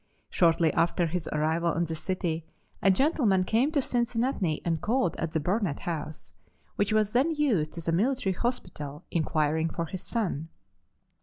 Shortly after his arrival in the city a gentleman came to Cincinnati and called at the Burnett House, which was then used as a military hospital, inquiring for his son.